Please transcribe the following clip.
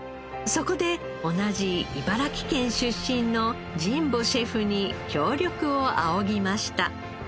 そこで同じ茨城県出身の神保シェフに協力を仰ぎました。